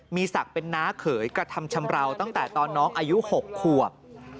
มีศักดิ์เป็นน้าเขยกระทำชำราวตั้งแต่ตอนน้องอายุ๖ขวบ